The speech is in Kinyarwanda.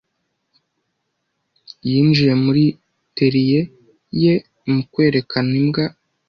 Yinjiye muri terrier ye mu kwerekana imbwa.